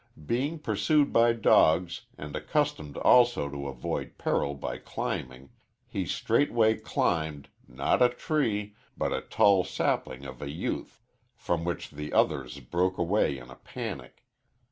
Being pursued by dogs, and accustomed also to avoid peril by climbing, he straightway climbed, not a tree, but a tall sapling of a youth, from which the others broke away in a panic.